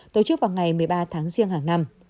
tổ chức vào ngày một mươi ba tháng riêng hàng năm